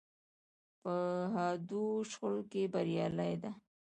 په حادو شخړو کې بریالۍ ده.